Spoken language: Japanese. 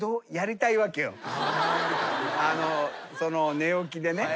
その寝起きでね。